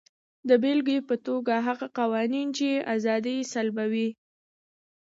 د بېلګې په توګه هغه قوانین چې ازادي سلبوي.